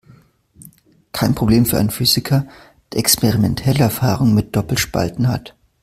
Kein Problem für einen Physiker, der experimentelle Erfahrung mit Doppelspalten hat.